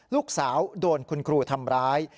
ลูกสาวโดนคุณครูทำร้าย